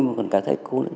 mà còn cả thầy cô